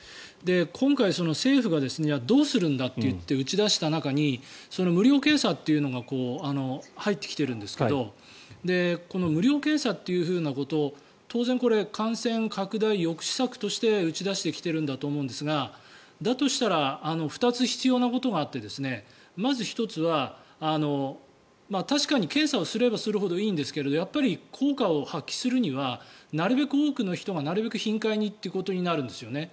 今回、政府がどうするんだといって打ち出した中に無料検査というのが入ってきてるんですけどこの無料検査ということ当然これ、感染拡大抑止策として打ち出してきているんだと思うんですがだとしたら、２つ必要なことがあってまず１つは、確かに検査をすればするほどいいんですけどやっぱり効果を発揮するにはなるべく多くの人がなるべく頻回にということになるんですね。